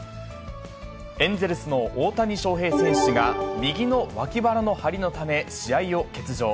エンゼルスの大谷翔平選手が右の脇腹の張りのため、試合を欠場。